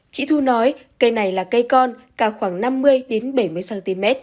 chị thu nói cây này là cây con cao khoảng năm mươi bảy mươi cm